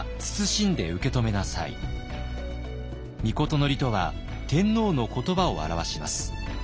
そして詔とは天皇の言葉を表します。